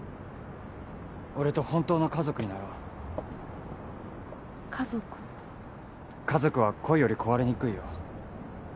俺と本当の家族になろう家族家族は恋より壊れにくいよ